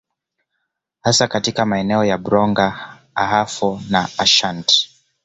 Hasa katika maeneo ya Bronga Ahafo na Ashant